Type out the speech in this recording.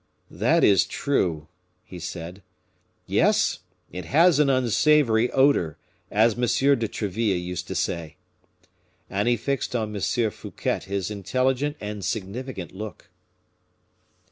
"That is true," he said. "Yes; it has an unsavory odor, as M. de Treville used to say." And he fixed on M. Fouquet his intelligent and significant look.